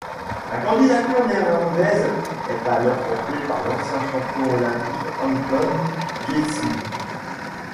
La candidature néerlandaise est alors portée par l'ancien champion olympique Anton Geesink.